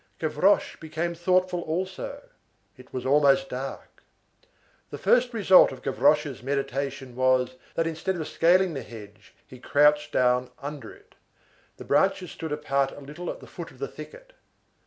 Gavroche became thoughtful also. It was almost dark. The first result of Gavroche's meditation was, that instead of scaling the hedge, he crouched down under it. The branches stood apart a little at the foot of the thicket.